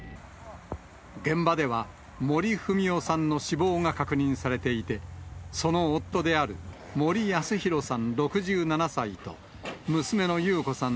現場では、森文代さんの死亡が確認されていて、その夫である森保啓さん６７歳と、娘の優子さん